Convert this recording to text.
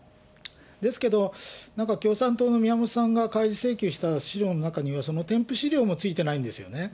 ですけど、なんか共産党の宮本さんが開示請求した資料の中には、その添付資料もついてないんですよね。